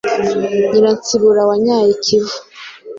Nyiransibura wanyaye i Kivu